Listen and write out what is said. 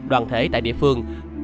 đoàn thể tại địa phương